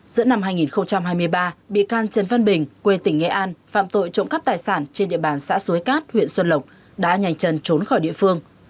giữa năm hai nghìn hai mươi ba bị can trần văn bình quê tỉnh nghệ an phạm tội trộm cắp tài sản trên địa bàn xã suối cát huyện xuân lộc đã nhanh chân trốn khỏi địa phương